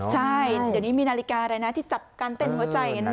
ใช่เดี๋ยวนี้มีนาฬิกาอะไรนะที่จับการเต้นหัวใจกัน